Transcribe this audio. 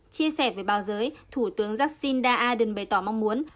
chia sẻ với báo giới thủ tướng jacinda ardern bày tỏ mong muốn